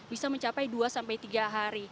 bisa mencapai dua sampai tiga hari